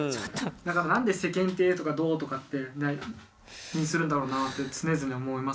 だからなんで世間体とかどうとかって気にするんだろうなって常々思いますね。